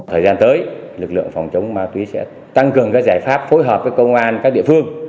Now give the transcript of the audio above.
thời gian tới lực lượng phòng chống ma túy sẽ tăng cường các giải pháp phối hợp với công an các địa phương